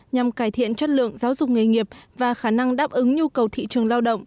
nhằm cải thiện chất lượng giáo dục nghề nghiệp và khả năng đáp ứng nhu cầu thị trường lao động